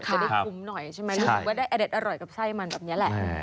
จะได้คุ้มหน่อยใช่ไหมรู้สึกว่าได้อเด็ดอร่อยกับไส้มันแบบนี้แหละ